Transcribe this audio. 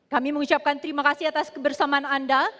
kami mengucapkan terima kasih kepada anda